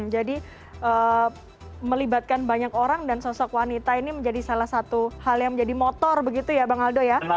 jadi melibatkan banyak orang dan sosok wanita ini menjadi salah satu hal yang menjadi motor begitu ya bang aldo ya